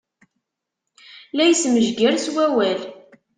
La ismejgir s wawal.